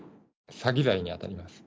詐欺罪に当たります。